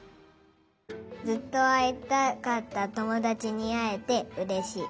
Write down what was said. ずっとあいたかったともだちにあえてうれしい。